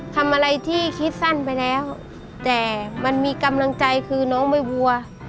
ทำอะไรที่คิดสั้นไปแล้วแต่มันมีกำลังใจคือน้องใบบัว